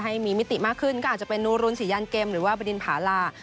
ให้มีมิติมากขึ้นก็อาจจะเป็นนูรุนศรียันเกมหรือว่าบดินผาลา